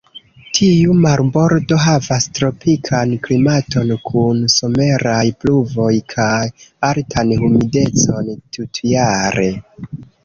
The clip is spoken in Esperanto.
Tiu marbordo havas tropikan klimaton kun someraj pluvoj kaj altan humidecon tutjare.